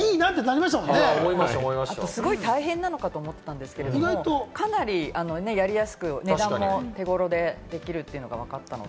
すごい大変なのかと思ってましたけど、かなりやりやすく、値段も手頃でできるっていうのがわかったので。